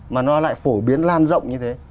mà nó lại phổ biến lan rộng như thế